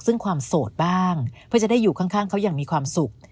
ซึ่งความโสดบ้างเพื่อจะได้อยู่ข้างเขาอย่างมีความสุข